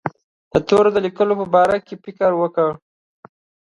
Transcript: تورو د لیکلو په باره کې فکر وکړ.